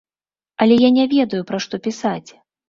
Але я не ведаю, пра што пісаць.